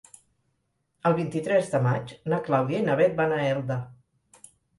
El vint-i-tres de maig na Clàudia i na Bet van a Elda.